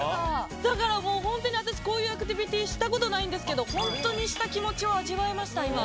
だからもうホントに私こういうアクティビティした事ないんですけどホントにした気持ちを味わえました今。